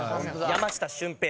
山下舜平